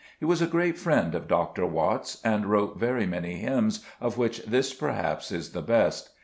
He was a great friend of Dr. Watts, and wrote very many hymns, of which this perhaps is the best.